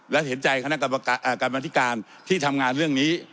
และเห็นใจคณะกรรมการอ่ากรรมนาฬิการที่ทำงานเรื่องนี้